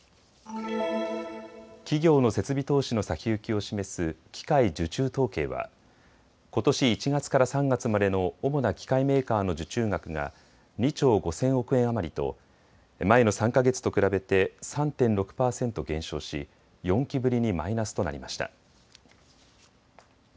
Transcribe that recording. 企業の設備投資の先行きを示す機械受注統計はことし１月から３月までの主な機械メーカーの受注額が２兆５０００億円余りと前の３か月と比べて３．６％減少し４期ぶりにマイナスとなりました。